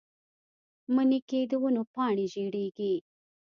مني کې د ونو پاڼې ژیړیږي